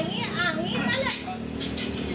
ตลาด